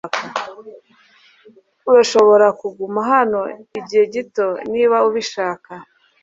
Urashobora kuguma hano igihe gito niba ubishaka